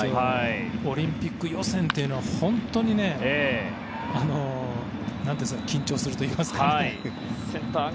オリンピック予選というのは本当に緊張するといいますか。